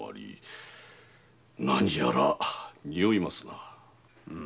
何やら臭いますな。